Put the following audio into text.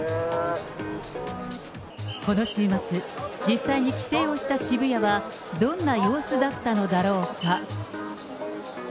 この週末、実際に規制をした渋谷は、どんな様子だったのだろうか。